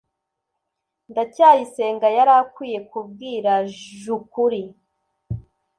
ndacyayisenga yari akwiye kubwira j ukuri